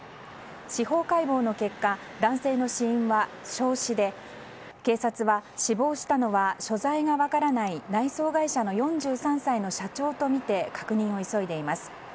司法解剖の結果男性の死因は焼死で警察は、死亡したのは所在が分からない内装会社の４３歳の社長とみて確認を急いでいます。